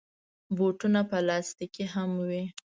بوټونه پلاستيکي هم وي.